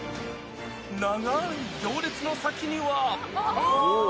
長ーい行列の先には。